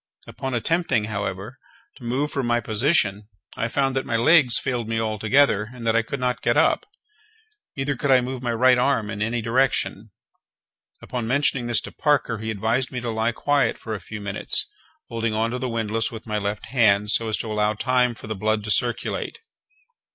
Upon attempting, however, to move from my position, I found that my legs failed me altogether, and that I could not get up; neither could I move my right arm in any direction. Upon mentioning this to Parker, he advised me to lie quiet for a few minutes, holding on to the windlass with my left hand, so as to allow time for the blood to circulate.